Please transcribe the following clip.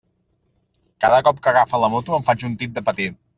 Cada cop que agafa la moto em faig un tip de patir.